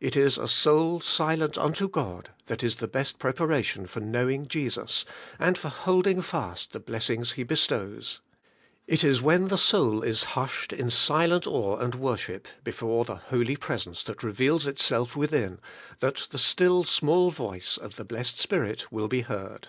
It is a soul silent unto God that is the best preparation for knowing Jesus, and for holding fast the blessings He bestows. It is when the soul is hushed in silent awe and worship before the Holy Presence that reveals itself within, that the still small voice of the blessed Spirit will be heard.